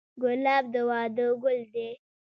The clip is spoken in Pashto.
ګلاب د واده ګل دی.